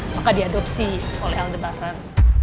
maka diadopsi oleh aldebaran